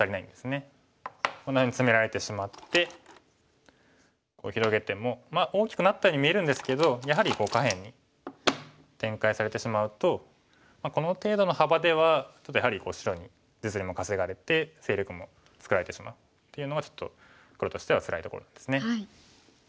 こんなふうにツメられてしまって広げても大きくなったように見えるんですけどやはり下辺に展開されてしまうとこの程度の幅ではちょっとやはり白に実利も稼がれて勢力も作られてしまうっていうのがちょっと黒としてはつらいところですね。